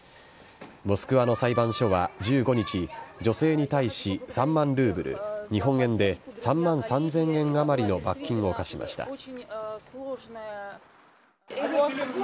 モスクワの裁判所は１５日、女性に対し３万ルーブル、日本円で３万３０００円余りの罰金を科しました。